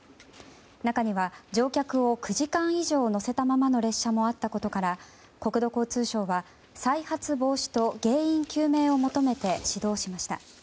中には乗客を９時間以上乗せたままの列車もあったことから国土交通省は再発防止と原因究明を求めて指導しました。